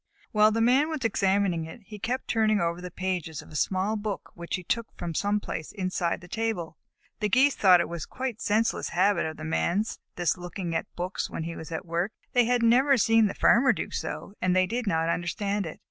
While the Man was examining it, he kept turning over the pages of a small book which he took from some place inside the table. The Geese thought it quite a senseless habit of the Man's, this looking at books when he was at work. They had never seen the Farmer do so, and they did not understand it.